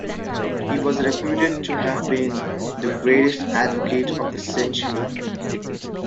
He was reputed to have been the "greatest advocate of the century".